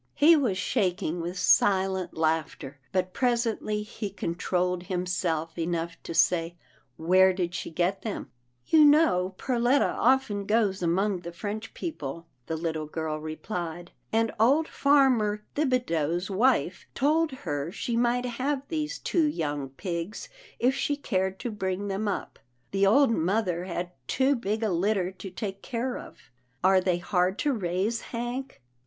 He was shaking with silent laughter, but pres ently he controlled himself enough to say, " Where did she get them ?"" You know Perletta often goes among the French people," the little girl replied, and old farmer Thibideau's wife told her she might have these two young pigs if she cared to bring them up. The old mother had too big a litter to take care of — are they hard to raise, Hank?